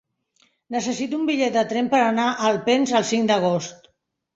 Necessito un bitllet de tren per anar a Alpens el cinc d'agost.